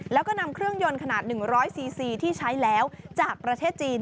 แล้วก็นำเครื่องยนต์ขนาด๑๐๐ซีซีที่ใช้แล้วจากประเทศจีน